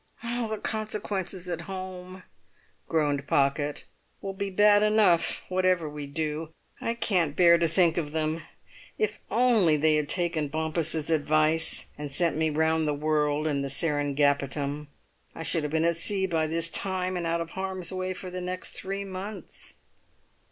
"The consequences at home," groaned Pocket, "will be bad enough whatever we do. I can't bear to think of them! If only they had taken Bompas's advice, and sent me round the world in the Seringapatam! I should have been at sea by this time, and out of harm's way for the next three months."